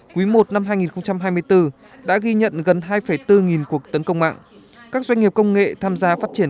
quý i năm hai nghìn hai mươi bốn đã ghi nhận gần hai bốn nghìn cuộc tấn công mạng các doanh nghiệp công nghệ tham gia phát triển